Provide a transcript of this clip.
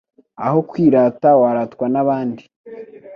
Aho kwirata waratwa n’abandi